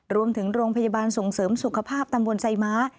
โรงพยาบาลส่งเสริมสุขภาพตำบลไซม้า